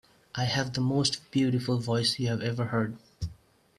I have the most beautiful voice you have ever heard.